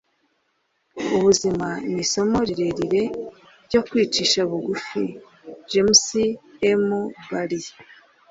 ubuzima ni isomo rirerire ryo kwicisha bugufi. - james m. barrie